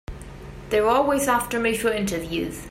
They're always after me for interviews.